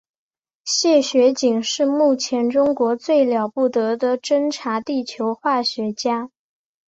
谢学锦是目前中国最了不得的勘察地球化学家。